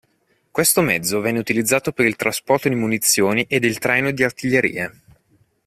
Questo mezzo venne utilizzato per il trasporto di munizioni ed il traino di artiglierie.